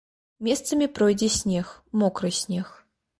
Месцамі пройдзе снег, мокры снег.